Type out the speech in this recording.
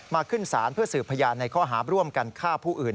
ขึ้นศาลเพื่อสืบพยานในข้อหาร่วมกันฆ่าผู้อื่น